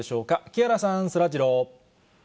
木原さん、そらジロー。